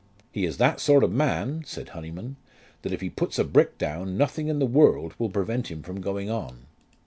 "He is that sort of man," said Honyman, "that if he puts a brick down nothing in the world will prevent him from going on."